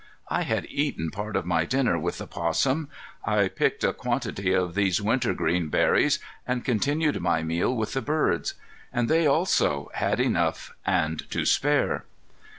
I had eaten part of my dinner with the 'possum; I picked a quantity of these wintergreen berries, and continued my meal with the birds. And they also had enough and to spare.